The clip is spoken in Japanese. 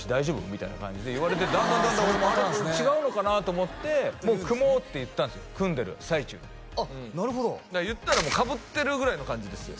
みたいな感じで言われてだんだんだんだん俺も違うのかな？と思ってもう「組もう」って言ったんですよ組んでる最中にあっなるほど言ったらもうかぶってるぐらいの感じですよ